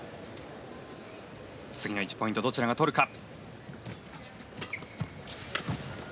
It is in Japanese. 次の１ポイントどちらが取るか。